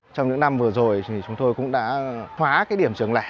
trong những năm vừa rồi thì chúng tôi cũng đã khóa điểm trường lẻ